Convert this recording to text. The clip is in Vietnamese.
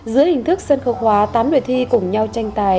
giữa hình thức sân khâu khóa tám đoàn thi cùng nhau tranh tài